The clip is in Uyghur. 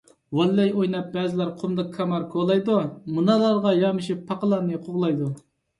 «ۋاللەي» ئويناپ بەزىلەر قۇمدا كامار كولايدۇ، مۇنارلارغا يامىشىپ، پاقىلارنى قوغلايدۇ.